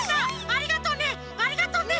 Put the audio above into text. ありがとうね！